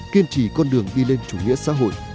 kiên trì con đường đi lên chủ nghĩa xã hội